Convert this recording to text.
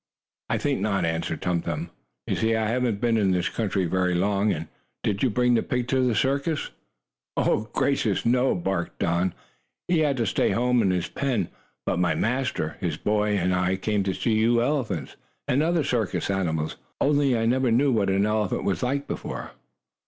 "I think not," answered Tum Tum. "You see I haven't been in this country very long. Did you bring the pig to the circus?" "Gracious, no!" barked Don. "He had to stay home in the pen. But my master, his boy and I came to see you elephants, and other circus animals. Only I never knew what an elephant was like before."